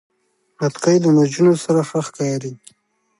نتکۍ له نجونو سره ښه ښکاری.